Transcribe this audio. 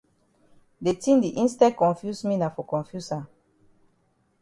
De tin di instead confuse me na for confuse am.